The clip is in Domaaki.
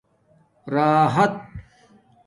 راحت